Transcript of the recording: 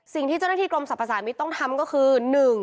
สิ่งที่เจ้าหน้าที่กรมสรรพสามิตรต้องทำก็คือ